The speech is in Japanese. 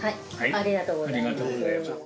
ありがとうございます。